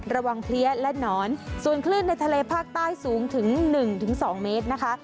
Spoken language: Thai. ระวังเพลียและหนอนส่วนคลื่นในทะเลภาคใต้สูงถึงหนึ่งถึงสองเมตรนะคะ